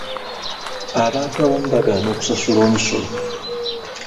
Abantu abamu bagaana okusasula omusolo.